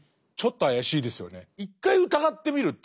一回疑ってみるという。